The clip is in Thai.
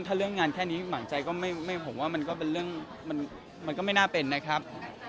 ถ้าเรื่องงานแค่นี้หมางใจก็ไม่ผมว่ามันก็เป็นเรื่องมันก็ไม่น่าเป็นนะครับ